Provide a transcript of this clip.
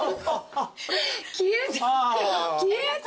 消えた！